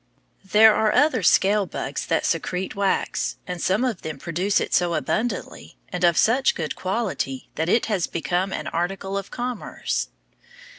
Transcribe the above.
There are other scale bugs that secrete wax, and some of them produce it so abundantly, and of such good quality, that it has become an article of commerce.